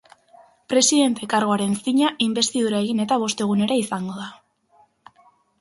Presidente karguaren zina inbestidura egin eta bost egunera izango da.